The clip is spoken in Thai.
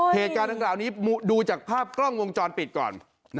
เหตุการณ์ดังกล่าวนี้ดูจากภาพกล้องวงจรปิดก่อน